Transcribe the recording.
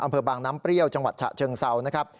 อำเภอบางน้ำเปรี้ยวจังหวัดฉะเชิงเซานะครับ